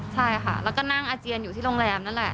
ใช่ค่ะแล้วก็นั่งอาเจียนอยู่ที่โรงแรมนั่นแหละ